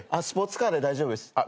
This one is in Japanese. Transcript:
スポーツカーで大丈夫です。